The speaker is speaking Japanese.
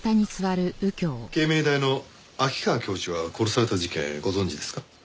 慶明大の秋川教授が殺された事件ご存じですか？